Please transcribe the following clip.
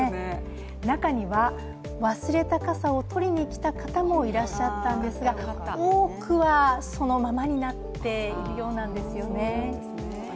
中には忘れた傘を取りに来た方もいらっしゃったんですが、多くは、そのままになっているようなんですよね。